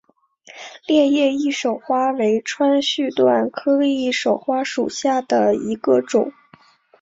裂叶翼首花为川续断科翼首花属下的一个种。